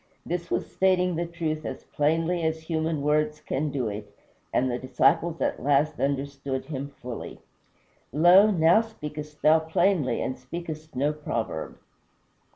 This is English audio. This was stating the truth as plainly as human words can do it, and the disciples at last understood him fully. "Lo! now speakest thou plainly, and speakest no proverb."